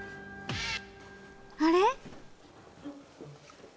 あれ？